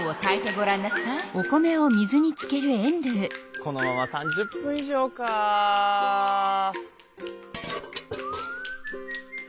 このまま３０分以上かあ。